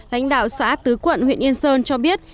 lãnh đạo xã tứ quận huyện yên sơn cho biết